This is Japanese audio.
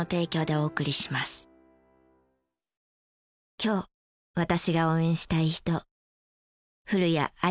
今日私が応援したい人。